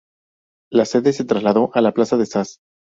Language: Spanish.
La sede se trasladó a la Plaza de Sas.